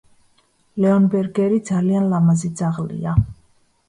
ლეონბერგერი ძალიან ლამაზი ძაღლია.